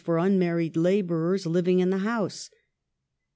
for unmarried labourers living in the house.